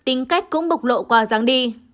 tính cách cũng bục lộ qua giáng đi